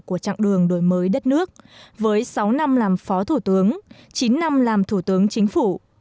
của chặng đường đổi mới đất nước với sáu năm làm phó thủ tướng chín năm làm thủ tướng chính phủ